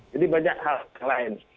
jadi banyak hal lain